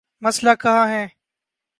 مسئلہ کہاں ہے؟